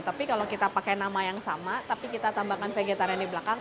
tapi kalau kita pakai nama yang sama tapi kita tambahkan vegetarian di belakang